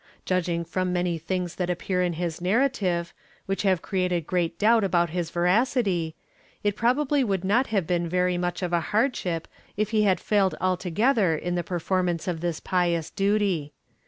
Judging from many things that appear in his narrative, which have created great doubt about his veracity, it probably would not have been very much of a hardship if he had failed altogether in the performance of this pious duty.